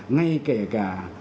ngay kể cả